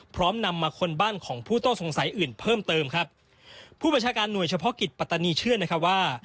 นำมาค้นบ้านของผู้ต้องสงสัยอื่นเพิ่มเติมครับผู้บัญชาการหน่วยเฉพาะกิจปัตตานีเชื่อนะครับว่า